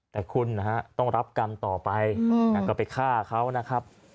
แต่คุณนะฮะต้องรับกรรมต่อไปก็ไปฆ่าเขานะครับ